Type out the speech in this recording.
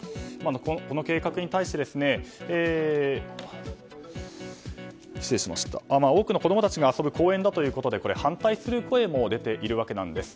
この計画に対して多くの子供たちが遊ぶ公園だということで反対する声も出ているわけなんです。